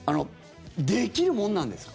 できるもんなんですか？